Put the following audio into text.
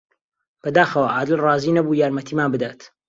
بەداخەوە، عادل ڕازی نەبوو یارمەتیمان بدات.